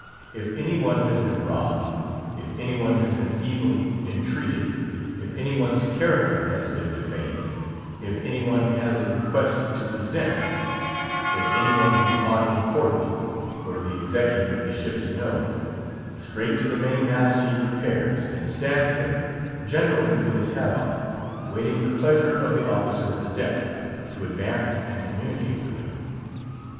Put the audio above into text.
If any one has been robbed; if any one has been evilly entreated; if any one's character has been defamed; if any one has a request to present; if any one has aught important for the executive of the ship to know—straight to the main mast he repairs; and stands there—generally with his hat off—waiting the pleasure of the officer of the deck, to advance and communicate with him.